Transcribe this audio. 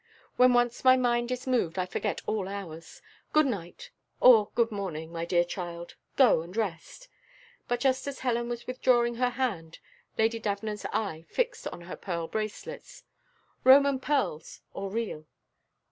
When once my mind is moved, I forget all hours. Good night or good morning, my dear child; go, and rest." But just as Helen was withdrawing her hand, Lady Davenant's eye fixed on her pearl bracelets "Roman pearls, or real?